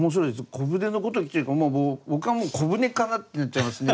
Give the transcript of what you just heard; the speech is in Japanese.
小舟のことを言ってるから僕はもう小舟かなってなっちゃいますね